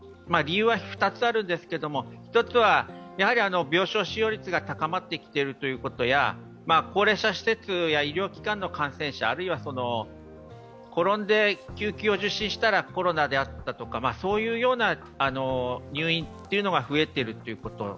理由は２つあるんですけど一つは病床使用率が高まってきているということや高齢者施設や医療機関の感染者、あるいは転んで救急を受診したらコロナであったというような入院が増えているということ。